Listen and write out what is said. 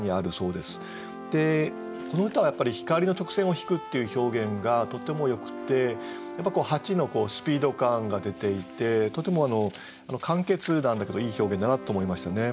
この歌はやっぱり「光の直線をひく」っていう表現がとてもよくて蜂のスピード感が出ていてとても簡潔なんだけどいい表現だなと思いましたね。